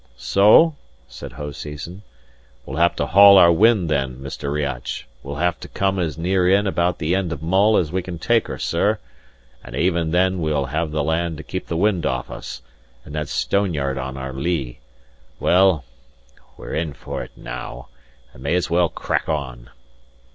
"So?" said Hoseason. "We'll have to haul our wind then, Mr. Riach; we'll have to come as near in about the end of Mull as we can take her, sir; and even then we'll have the land to kep the wind off us, and that stoneyard on our lee. Well, we're in for it now, and may as well crack on."